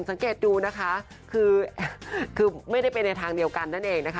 สังเกตดูนะคะคือไม่ได้ไปในทางเดียวกันนั่นเองนะคะ